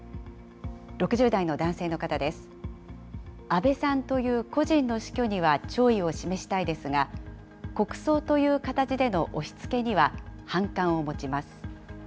安倍さんという個人の死去には弔意を示したいですが、国葬という形での押しつけには、反感を持ちます。